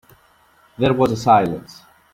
There was a silence.